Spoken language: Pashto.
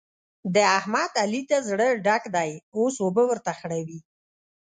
د احمد؛ علي ته زړه ډک دی اوس اوبه ورته خړوي.